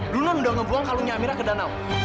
dulu non udah ngebuang kalungnya amira ke danau